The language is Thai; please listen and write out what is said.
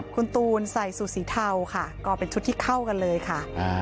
คุณตูนใส่สูตรสีเทาค่ะก็เป็นชุดที่เข้ากันเลยค่ะ